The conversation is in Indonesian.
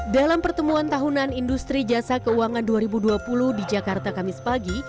dalam pertemuan tahunan industri jasa keuangan dua ribu dua puluh di jakarta kamis pagi